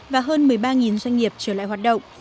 và hơn một mươi ba doanh nghiệp trở lại hoạt động